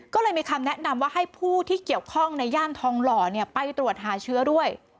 ก็เลยมีคำแนะนำว่าให้ผู้ที่เกี่ยวข้องในย่านทองหล่อไปตรวจหาเชื้อด้วย